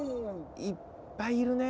いっぱいいるねぇ。